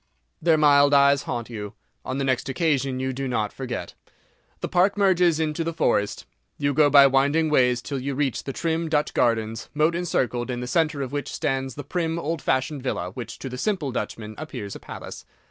Their mild eyes haunt you; on the next occasion you do not forget. The Park merges into the forest; you go by winding ways till you reach the trim Dutch garden, moat encircled, in the centre of which stands the prim old fashioned villa, which, to the simple Dutchman, appears a palace.